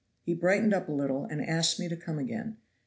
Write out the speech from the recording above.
He brightened up a little, and asked me to come again.